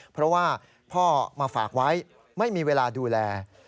เพราะว่าพ่อมาฝากไว้ไม่มีเวลาดูแล